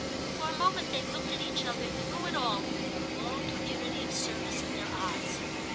For a moment they looked at each other through it all with their long community of service in their eyes.